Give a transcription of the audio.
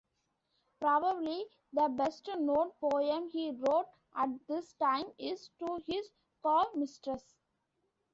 Probably the best-known poem he wrote at this time is "To His Coy Mistress".